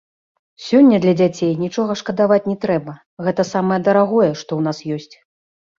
Сёння для дзяцей нічога шкадаваць не трэба, гэта самае дарагое, што ў нас ёсць.